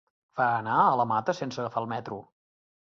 Va anar a la Mata sense agafar el metro.